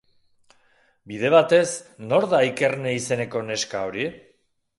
Bide batez, nor da Ikerne izeneko neska hori?